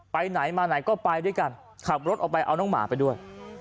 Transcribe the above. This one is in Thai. ไปไหนมาไหนก็ไปด้วยกันขับรถออกไปเอาน้องหมาไปด้วย